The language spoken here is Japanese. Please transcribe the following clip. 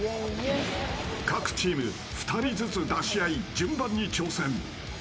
各チーム２人ずつ出し合い順番に挑戦。